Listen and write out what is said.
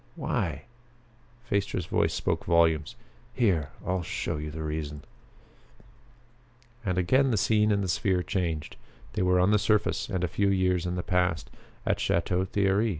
Why?" Phaestra's voice spoke volumes. "Here I'll show you the reason." And again the scene in the sphere changed. They were on the surface and a few years in the past at Chateau Thierry.